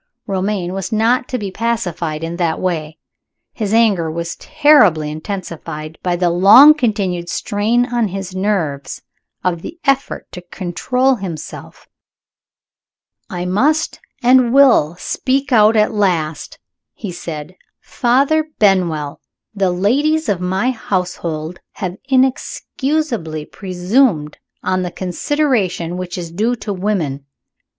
Romayne was not to be pacified in that way. His anger was trebly intensified by the long continued strain on his nerves of the effort to control himself. "I must, and will, speak out at last!" he said. "Father Benwell, the ladies of my household have inexcusably presumed on the consideration which is due to women.